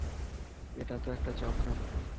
এটা তো এক চক্রান্ত।